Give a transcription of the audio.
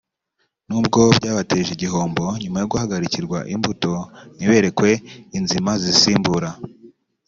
n’ubwo byabateje igihombo nyuma yo guhagarikirwa imbuto ntiberekwe inzima zizisimbura